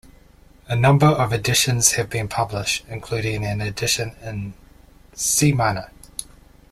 A number of editions have been published, including an edition in C minor.